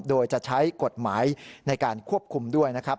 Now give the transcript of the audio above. โดยจะใช้กฎหมายในการควบคุมด้วยนะครับ